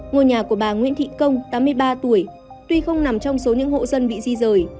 ngôi nhà của bà nguyễn thị công tám mươi ba tuổi tuy không nằm trong số những hộ dân bị di rời